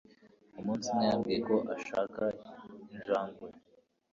Umunsi umwe, yambwiye ko ashaka injangwe.